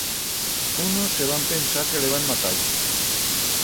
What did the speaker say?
Unos se van pensar que l'heban matau.